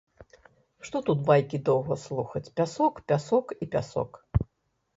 Што тут байкі доўга слухаць, пясок, пясок і пясок.